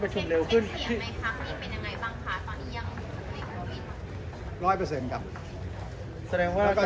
ประชุมเร็วขึ้นนี่เป็นยังไงบ้างค่ะตอนนี้ยังร้อยเปอร์เซ็นต์กับ